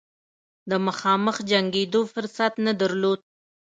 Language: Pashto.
د مخامخ جنګېدلو فرصت نه درلود.